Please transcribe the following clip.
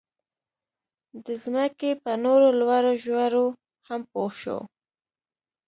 د ځمکې په نورو لوړو ژورو هم پوه شو.